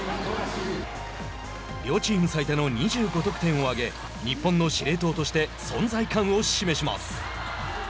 両チーム最多の２５得点を上げ日本の司令塔として存在感を示します。